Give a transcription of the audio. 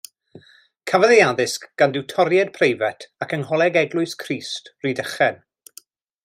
Cafodd ei addysg gan diwtoriaid preifat ac yng Ngholeg Eglwys Crist, Rhydychen.